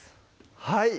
はい